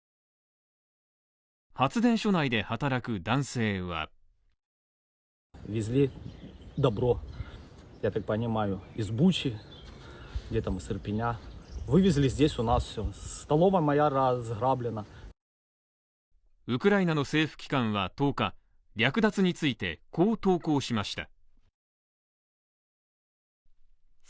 発電所内で働く男性はウクライナの政府機関は１０日、略奪についてこう投稿しました。